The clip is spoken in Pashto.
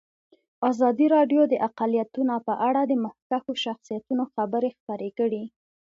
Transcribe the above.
ازادي راډیو د اقلیتونه په اړه د مخکښو شخصیتونو خبرې خپرې کړي.